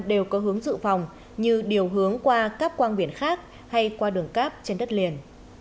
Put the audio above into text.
đều có hướng dự phòng như điều hướng qua các quang biển khác hay qua đường cát trên đất liền